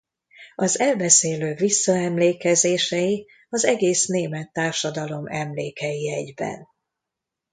Az elbeszélő visszaemlékezései az egész német társadalom emlékei egyben.